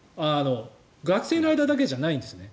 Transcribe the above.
学生の間だけじゃないんですね。